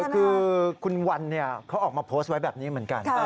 คือคุณวันเขาออกมาโพสต์ไว้แบบนี้เหมือนกัน